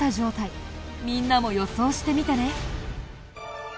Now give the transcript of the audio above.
みんなも予想してみてね。